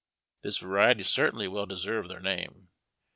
This variety certainly well deserved their name.